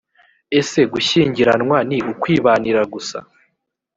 ese gushyingiranwa ni ukwibanira gusa